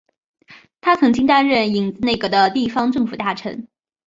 他曾经担任影子内阁的地方政府大臣。